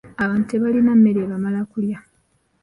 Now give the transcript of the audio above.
Abantu tebalina mmere ebamala kulya.